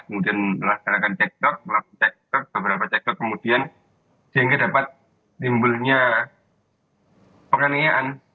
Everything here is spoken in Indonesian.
kemudian melaksanakan cek cok melakukan cek cok beberapa cek cok kemudian jangka dapat nimbulnya pengenian